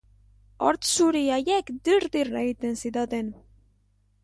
Hortz zuri haiek dir-dir egiten zidaten.